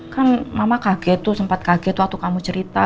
kan mama kaget tuh sempat kaget waktu kamu cerita